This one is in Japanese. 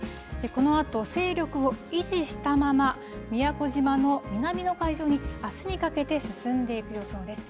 このあと勢力を維持したまま、宮古島の南の海上に、あすにかけて進んでいく予想です。